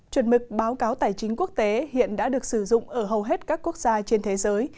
chuẩn mực báo cáo tài chính quốc tế hiện đã được sử dụng ở hầu hết các quốc gia trên thế giới